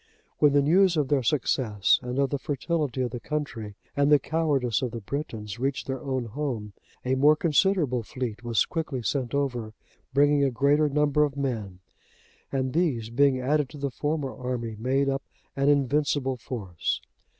When the news of their success and of the fertility of the country, and the cowardice of the Britons, reached their own home, a more considerable fleet was quickly sent over, bringing a greater number of men, and these, being added to the former army, made up an invincible force.